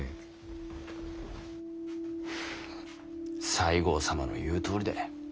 西郷様の言うとおりだ。